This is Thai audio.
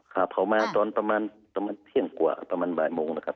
ครับเขามาตอนประมาณเที่ยงกว่าประมาณบ่ายโมงนะครับ